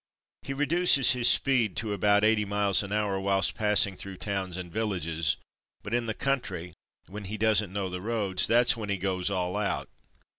He reduces his speed to about eighty miles an hour whilst pass ing through towns and villages, but in the country, when he doesn't know the roads, that's when he goes '' all out.